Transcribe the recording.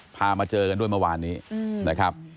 พามาเจอกันด้วยเมื่อวานนี้